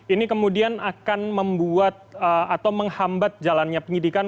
ini kemudian akan membuat atau menghambat jalannya penyidikan